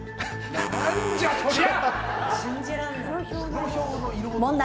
何じゃそりゃ？